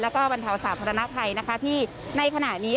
และบรรเทาสาพัฒนาไพรที่ในขณะนี้